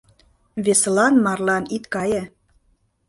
— Весылан марлан ит кае...